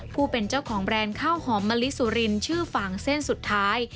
ผู้เป็นเจ้าของแบรนด์ข้าวหอมมะลิสุรินชื่อฟางเส้นสุดท้าย